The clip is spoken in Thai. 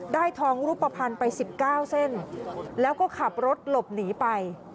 ได้ทองรูปภัณฑ์ไปสิบเก้าเส้นแล้วก็ขับรถหลบหนีไป